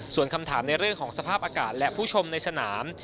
ส่วนคำถามในเรื่องของสภาพอากาศและผู้ชมในสนาม